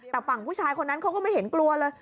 แต่ฝั่งผู้ชายคนนั้นเขาก็ไม่เห็นกลัวเลย